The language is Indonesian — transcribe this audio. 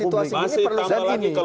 masih tambah lagi kalau